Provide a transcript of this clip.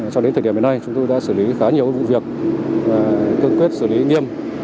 cho đến thời điểm này chúng tôi đã xử lý khá nhiều vụ việc và tương quyết xử lý nghiêm